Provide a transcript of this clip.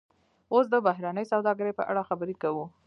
اوس د بهرنۍ سوداګرۍ په اړه خبرې کوو